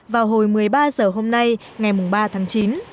mở một cửa xà đáy hồ hòa bình vào hồi một mươi ba giờ hôm nay ngày ba tháng chín